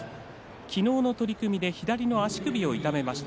昨日の取組で左の足首を痛めました。